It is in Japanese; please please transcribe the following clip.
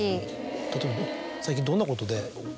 例えば最近どんなことで？